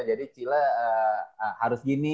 jadi cilla harus gini